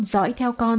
giỏi theo con